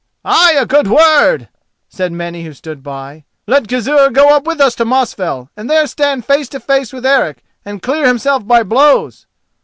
"Ay, a good word!" said many who stood by. "Let Gizur go up with us to Mosfell, and there stand face to face with Eric and clear himself by blows."